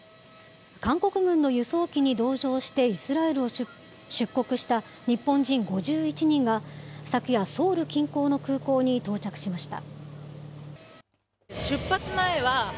韓国軍の輸送機に同乗してイスラエルを出国した日本人５１人が、昨夜、ソウル近郊の空港に到着しました。